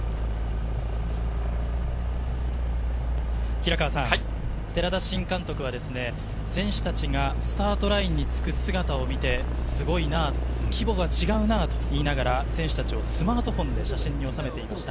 平川さん、寺田新監督は選手たちがスタートラインにつく姿を見て、すごいなと規模が違うなと言いながら、選手たちをスマートフォンで写真に収めていました。